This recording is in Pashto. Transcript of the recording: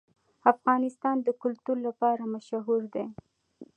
افغانستان د کلتور لپاره مشهور دی.